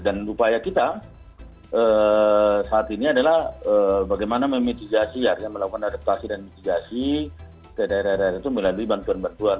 upaya kita saat ini adalah bagaimana memitigasi artinya melakukan adaptasi dan mitigasi ke daerah daerah itu melalui bantuan bantuan